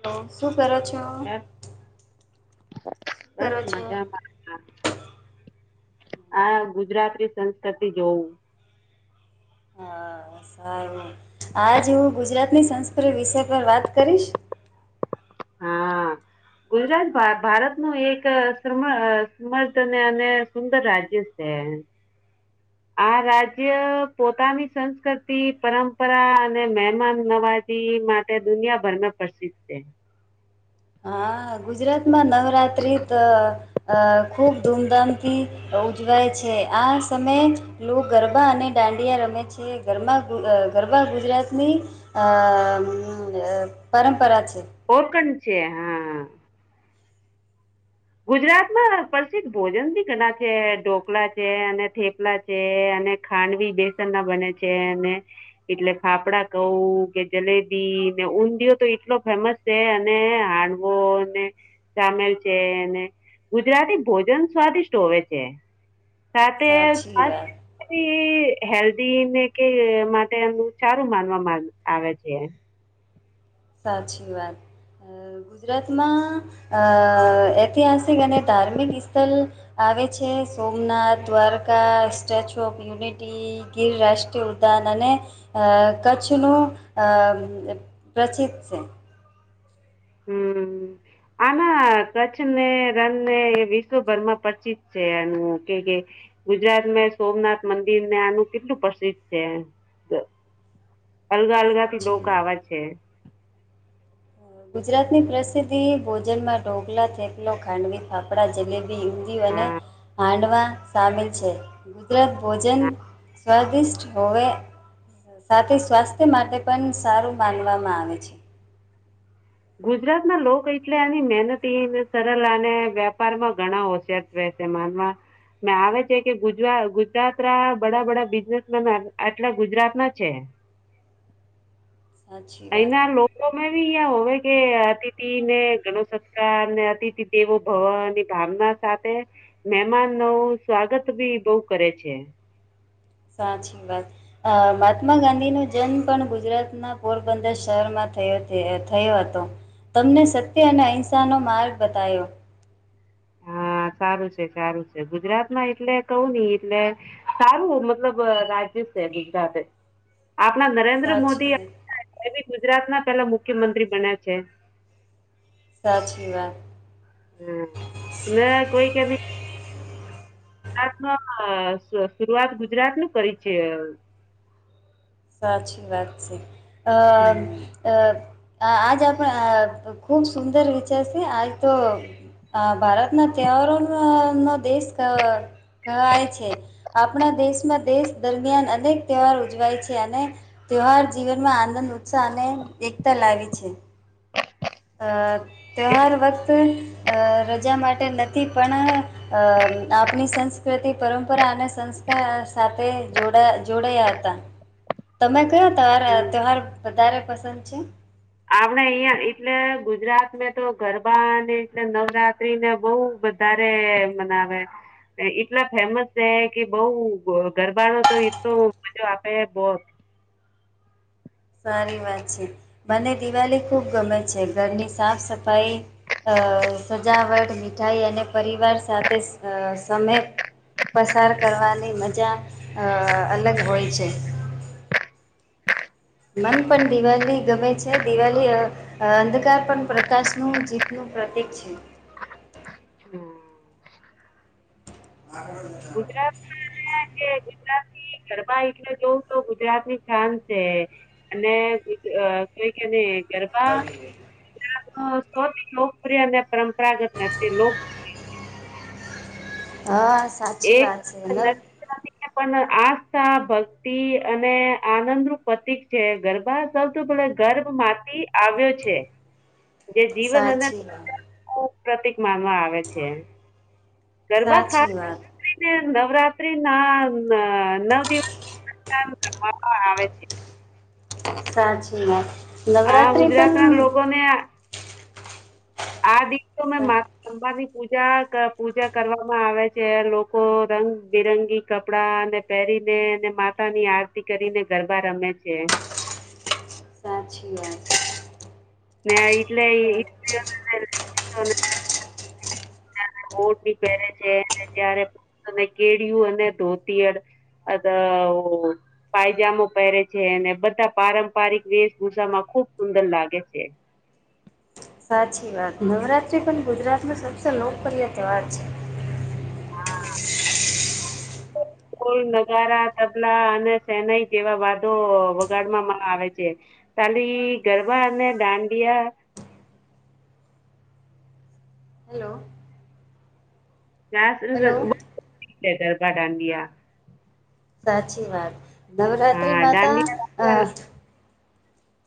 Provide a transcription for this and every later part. Hello શું કરો છો. યાર શું બસ કરો છો? મજામાં, આ ગુજરાતી સંસ્કૃતિ જોવું, હ સારું આજ હું ગુજરાતની સંસ્કૃતિ વિષય પર વાત કરીશ. હા. ગુજરાત ભારત નું એક સમર્થ અને અને સુંદર રાજ્ય છે. હા આ રાજ્ય પોતાની સંસ્કૃતિ પરંપરા અને મહેમાન નવાજ. માટે દુનિયાભરમાં પ્રસિદ્ધ છે, હા ગુજરાતમાં નવરાત્રી ત અ ખૂબ ધૂમધામથી ઉજવાય છે, આ સમયે લોકો ગરબા અને દાંડિયા રમે. રમે છે. ધરમાં ગરબા ગુજરાતની પરંપરા છે. ઓકણ છેે, હા. ગુજરાતમાં પ્રસિદ્ધ ભોજન બી ઘણા છે, ઢોકલા છે, અને થેપલા છે, ખાંડવી બેસન માં બને છે, અને એટલે ફાફડા કઉ કે જલેબી ઊંધિયો તો એટલો ફેમસ છે, અને હાંડવો ને સામેલ છે, ગુજરાતી ભોજન સ્વાદિષ્ટ હોવે છે. સાથે સાચી વાત સ્વસ્થથી હેલ્ધી ને કે માટે એમ સારું માનવામાં આવે છે, એમ સાચી વાત, અ ગુજરાતમાં અ ઐતિહાસિક અને ધાર્મિક સ્થળ, આવે છે, Somnath Dwarka Statue of Unity Gir રાષ્ટ્રીય ઉદ્યાન અને અ કચ્છનું અ પ્રસિદ્ધ છે. હું આના કચ્છને રણને એ વિશ્વભરમાં પચિત છે, એનું કે કે, ગુજરાતમાં સોમનાથ મંદિર ને આનું કેટલું પ્રસિદ્ધ છે. [unintelligible] અલગા અલગા થી સાચી દોકા વાત. આવાજ છે. ગુજરાતની પ્રસિદ્ધિ ભોજનમાં ઢોકલા, થેપલુ ખાંડવી, ફાફડા, જલેબી. હિન્દી અને હા હાંડવા સામેલ છે. ઉપલબ્ધ ભોજન સ્વાદિષ્ટ છે. હવે સાથે સ્વાસ્થ્ય માટે પણ સારું માનવામાં આવે છે‌. ગુજરાત લોકો એટલે એની મહેનતી સરળ અને વેપાર માં ઘણા હોશિયાર. માનમાં મે આવે છે, કે ગુજરા ગુજરાત ના બડા બડા બિઝનેસમેન આટલા ગુજરાત ના છે. [unintelligible] સાચી વાત એના લોકો મેવી યા હોવે. કે અતિથિને ગણુસત્કાર ને અતિથિ દેવો ભવન ની ભાવના સાથે મહેમાન ન સ્વાગત ભી બહુ કરે છે. [unintelligible] [inaudible] સાચી વાત મહાત્મા ગાંધી નો જન્મ પણ ગુજરાત ના પોરબંદર શહેરમાં થયો હતો તમને સત્ય અને અહિંસા નો માર્ગ બતાયો. હા સારું છે, સારું છે ગુજરાતમાં એટલે કવું નહ એટલે સારું મતલબ બીધા [unintelligible] હ [unintelligible] આપણા નરેન્દ્ર મોદી ગુજરાત ના પેલા મુખ્યમંત્રી બન્યા છે. સાચી વાત. હમ ને ગુજરાત ન શરૂઆત ગુજરાત ન કરી છે સાચી વાત છે આ હમ અ આજ આપણે ખૂબ સુંદર વિચારશે આજ તો અ ભારતના ત્યાવારો નો દેશ કહેવાય છે. આપણા દેશમાં દેશ દરમિયાન અનેક તહેવાર ઉજવાય છે. અને તહેવાર જીવનમાં આનંદ ઉત્સાહ અને એકતા લાગે છે. આ તહેહાર વખત અ રજા માટે નથી અ પણ આપણી સંસ્ સંસ્કૃતિ પરંપરા અને સંસ્કાર સાથે જોડાયા હતા તમે ત હમ તહેવાર વધારે પસંદ છે? આપડે અહિયાં એટલે ગુજરાત તો ગરબા અને એટલે નવરાત્રી ને બહ વધારે મનાવે. એટલા ફેમસ છે કે બઉ ગરબાનોો તો એટલો મજો આપે [unintelligible] [unintelligible] સારી વાત છે. મને દિવાળી ખુબ ગમે છે. ઘરની સાફ સફાઈ અ સજાવટ મીઠાઈ અને પરિવાર સાથે અ સમય પસાર કરવાની મજા અ અલગ હોય છે. મન પણ દિવાળી ગમે છે દિવાળી અંધકાર પણ પ્રકાશનું જીતનું પ્રતીક છે. [inaudible] ગુજરાતમાં કે ગુજરાતની ગરબા એલે જોવ તો ગુજરાત ની શાન છે. અને [unintelligible] ગરબા [unintelligible] અ સ્વચ્છ લોકપ્રિય અને પરંપરાગત નથી. લોક હા સાચી એક વાત છે. નવ પણ આ ભક્તિ અને આનંદ નું પ્રતિક છે. ગરબા સૌથી પડ ગર્ભ મા એ આવ્યો છે. જે જીવન અને સાચી વાત. પ્રતિક માનવા આવે છે. ગરબા ખાસ સાચી વાત. કરીને નવરાત્રી ના અ નવ આવે છે. સાચી વાત આ નવરાત્ર્રી પણ ગુજરાતના લોકોને આ દિવસ તો મેં સા મા લમવાની પૂજા- પૂજા કરવામાં આવે છે. લોકો રંગબિરંગી કપડા અને પહેરી ને અને માતા ની આરતી કરીને ગરબા રમે છે. સાચી વાત. ને એટલે છે. [unintelligible] ઓઢણી પહેરે છે. ત્યારેને કેળિયું અને ધોતીયળ અદઓ પાયજામો પહેરે છે અને બધા પારંપરિક વેશભૂષામાં ખુબ સુંદર લાગે છે. [inaudible] સાચી વાત નવરાત્રી પણ ગુજરાત ન સબસે લોકપ્રિય તહેવાર છે. હા! [inaudible] કોલ નગારા તબલા અને સેનાઈ જેવા વાદો વગાડવામાં આવે છે ખાલી ગરબા અને દાંડિયા [inaudible] હેલો હેલો તર પાટડયા સાચી વાત નવરાત્રિ માતા અ દાંડિયા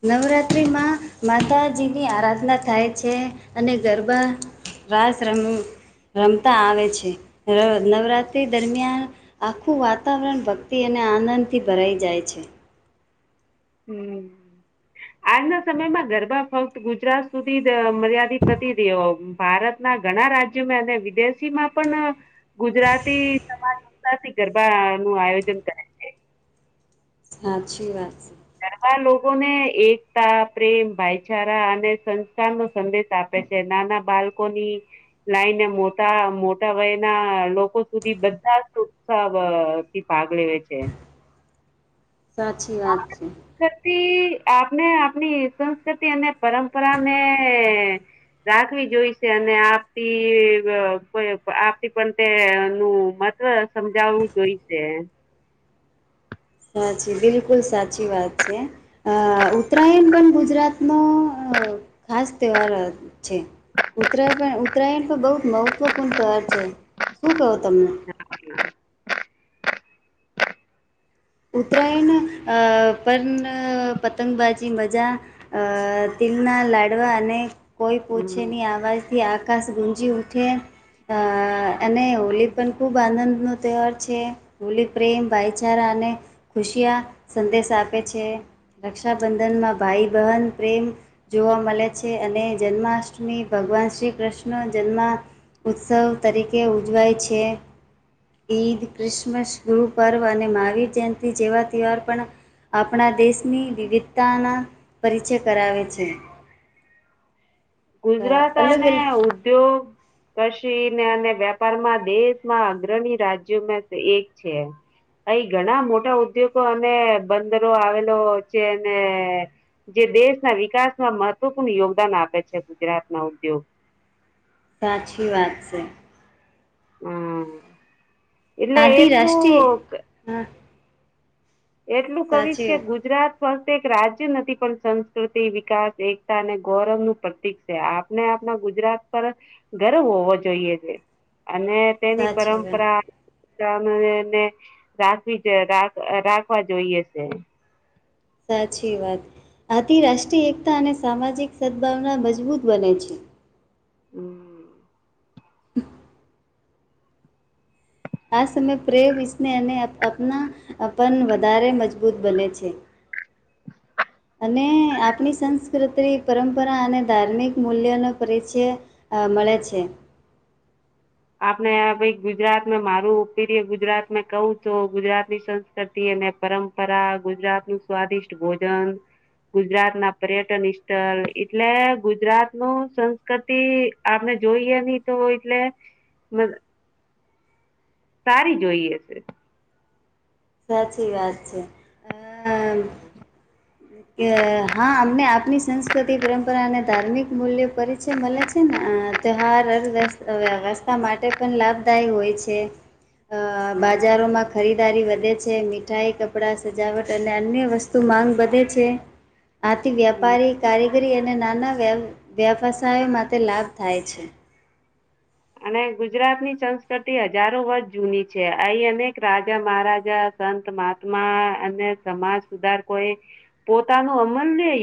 નવરાત્ર્રીમાં માતાજીની આરાધના થાય છે અને ગરબા રાાયસ રી રમતા આવે છે નવરાત્રી દરમિયાન આખું વાતાવરણ ભક્તિ અને ને આનંદથી ભરાઈ જાય છે હમ આજના સમયમાં ગરબા ફક્ત ગુજરાત સુધી મર્યાદિત નથી રહ્યો ભારત ઘણા રાજ્યોમાં અને વિદેશીમાં પણ ગુજરાતી સમાજ ઉતાથી ગરબા નું આયોજન કરાય [inaudible] સાચી વાત છે ગરબા લોકોને એકતા પ્રેમ ભાઈચારા અને સંસ્કાર નો સંદેશ આપે છે ના બાળકો ની લાઈન મોટા મોટા વય ના લોકો સુધી બધા ઉત્સાહ થી ભાગ લેવે છે હ સાચી વાત છે આપને આપણી સંસ્કૃતિ અને પરંપરાને રાખવી જોઈ છે અને આપતી આપતી પણ તે નું તો સમજાવવું જોઈશે સાચી બિલકુલ સાચી વાત છે અ ઉત્તરાયણ પણ ગુજરાતનો અ ખાસ તહેવાર છે ઉત્તરાય ઉત્તરાયણ પણ બહુ જ મહત્વપૂર્ણ તવાર છે શું કહો તમને ઉત્તરાયણ પર પતંગબાજી મજા તે લના લાડવા અને કોઈ હમ પોછેની અવાજથી આકાશ ગુંજી ઉઠે અ અને હોલી પણ ખૂબ આનંદનો તહેવાર છે હોલી પ્રેમ ભાઈચારા અને ખુશિયા સંદેશ આપે છે રક્ષાબંધનમાં ભાઈ બહેન પ્રેમ જોવા મળે છે અને જન્માષ્ટમી ભ ભગવાન શ્રી કૃષ્ણ જન્મ ઉત્સવ તરીકે ઉજવાય છે ઈદ ક્રિસમસ ગુરુ પર્વ અને મહાવીર જયંતિ જેવા તહેવાર પણ આપણા દેશની વિવિધતાના પરિચય કરાવે છે. [inaudible] અ ગુજરાત અલગ અને અલગ ઉદ્યોગ કશે કિ અને વેપારમાં દેશમાં અગ્રણી રાજ્યોમાં એક છે. અહી ઘણા મોટા ઉદ્યોગો અને બંદરો આવેલો છે અને જે દેશના વિકાસમાં મહત્વપૂર્ણ યોગદાન આપે છે ગુજરાતના ઉદ્યોગ. સાચી વાત છે. હમ્મ એટલે આથી રાષ્ટ્રીય એટલું હા એટલું કવિજ સાચી કે ગુજરાત ફક્ત એક રાજ્ય નથી પણ સંસ્કૃતિ વિકાસ એકતા અને ગૌરવનું પ્રતિક છે આપને આપના ગુજરાત પર ગર્વ હોવો જોઈએ છે અને તેની સાચી વાત પરંપરા ને રાખવી રાખવા જોઈએ છે. સાચી વાત આથી રાષ્ટ્રીય એકતા અને સામાજિક સદભાવના મજબૂત બને છે હમ [inaudible] આ સમય પ્રેમ વિસને અને આપનાપન વધારે મજબૂત બને છે [inaudible] અને આપણી સંસ્કૃતિ પરંપરા અને ધાર્મિક મૂલ્યનો પરિચય મળે છે આપણે ભાઈ ગુજરાત મારુંીય ગુજરાતમાં કવું છ ગુજરાત ની સંસ્કૃતિ પરંપરા ગુજરાત નું સ્વાદિષ્ટ ભોજન ગુજરાત ના પર્યટન સ્થળ એટલે ગુજરાત નું સંસ્કૃતિ આપણે જોઈએ ની તો એટલે સારી જોઈએ છે. સાચી વાત છે હ. કે હા અમને આપની સંસ્કૃતિ પરંપરા અને ધાર્મિક મૂલ્યો પરિચય મળે છે ને. અ ત્યહાર અર્થ વ્યવસ્થા માટે પણ લાભદાયી હોય છે. અ બાજારોમાં ખરીદારી વધે છે મીઠાઈ કપડા સજાવટ અને અન્ય વસ્તુ માંગ વધે છે આથી વ્યાપારી કારી ગરી અને નાના વેવ વ્યવસાય માટે લાભ થાય છે. અને ગુજરાત ની સંસ્કૃતિ હજારો વર્ષ જૂની છે આ અનેક રાજા મહારાજા સંત મહાત્મા અને સમાજ સુધાર કોઈ પોતાનો અમલ